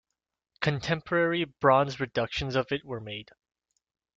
Contemporary bronze reductions of it were made.